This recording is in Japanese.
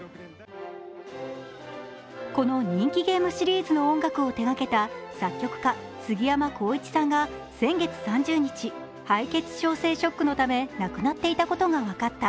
この人気ゲームシリーズの音楽を手がけた作曲家すぎやまこういちさんが先月３０日、敗血症性ショックのため亡くなっていたことが分かった。